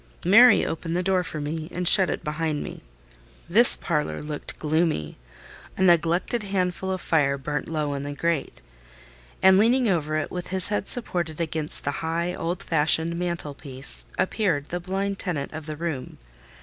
Mary opened the door for me, and shut it behind me. This parlour looked gloomy: a neglected handful of fire burnt low in the grate; and, leaning over it, with his head supported against the high, old fashioned mantelpiece, appeared the blind tenant of the room.